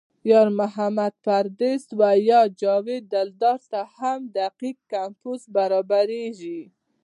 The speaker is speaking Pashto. یار محمد پردیس یا جاوید دلدار ته هم دقیق کمپوز برابرېږي.